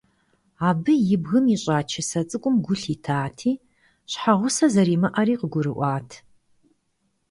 Абы и бгым ищӀа чысэ цӀыкӀум гу лъитати, щхьэгъусэ зэримыӀэри къыгурыӀуат.